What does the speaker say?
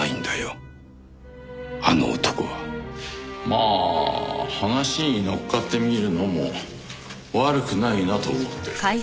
まあ話に乗っかってみるのも悪くないなと思ってる。